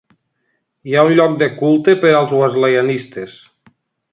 Hi ha un lloc de culte per als wesleyanistes.